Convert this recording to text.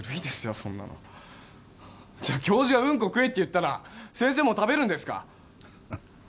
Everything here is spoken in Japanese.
そんなの教授がウンコ食えって言ったら先生も食べるんですか？